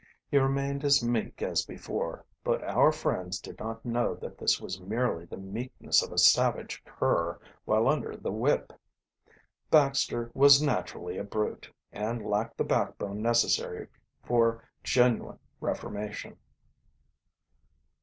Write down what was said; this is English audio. He remained as meek as before, but our friends did not know that this was merely the meekness of a savage cur while under the whip. Baxter was naturally a brute, and lacked the backbone necessary far genuine reformation.